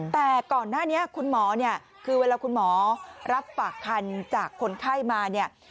แต่ก่อนหน้านี้คุณหมอเนี่ยคือเวลาคุณหมอรับฝากคันจากคนไข้มาเนี่ย